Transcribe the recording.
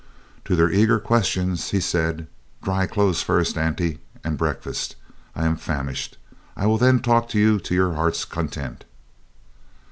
To their eager questions, he said: "Dry clothes first, Auntie, and breakfast. I am famished. I will then talk with you to your heart's content."